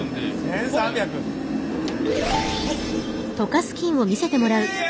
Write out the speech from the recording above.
１，３００！え！